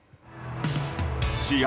試合